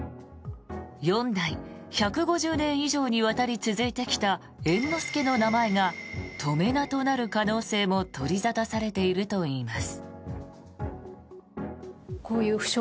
４代、１５０年以上にわたり続いてきた猿之助の名前が止め名となる可能性も取り沙汰されているといいます。